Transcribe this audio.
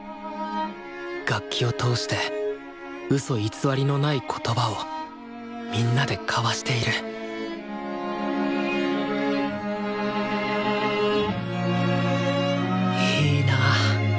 楽器を通してウソ偽りのない言葉をみんなで交わしているいいなあ